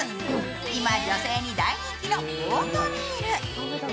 今、女性に大人気のオートミール。